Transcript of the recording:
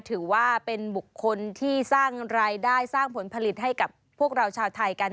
ถือว่าเป็นบุคคลที่สร้างรายได้สร้างผลผลิตให้กับพวกเราชาวไทยกัน